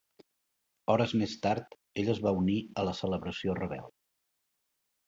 Hores més tard ell es va unir a la celebració rebel.